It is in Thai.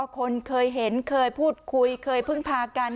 คนเคยเห็นเคยพูดคุยเคยพึ่งพากัน